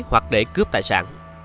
hoặc để cướp tài sản